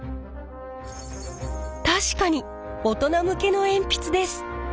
確かに大人向けの鉛筆です！